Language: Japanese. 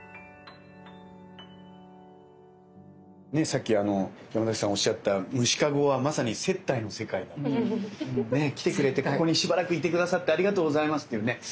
さっきヤマザキさんおっしゃった虫かごはまさに接待の世界だっていう来てくれてここにしばらくいて下さってありがとうございますっていうね。